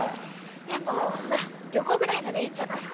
でもまあ旅行ぐらいならいいんじゃない？